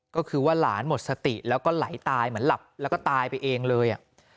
ก็คือว่าหลานหมดสติแล้วก็ไหลตายเหมือนหลับแล้วก็ตายไปเองเลย